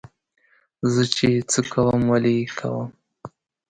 زه چې څه کوم ولې یې کوم.